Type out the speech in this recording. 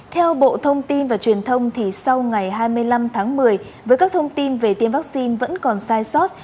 theo bộ thông tin và truyền thông thì sau ngày hai mươi năm tháng một mươi với các thông tin về tiêm vaccine vẫn còn sai sót